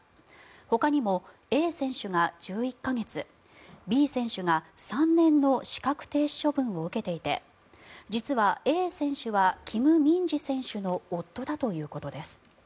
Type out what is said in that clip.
ほかにもＡ選手が１１か月Ｂ選手が３年の資格停止処分を受けていて実はＡ選手はキム・ミンジ選手の夫だということです。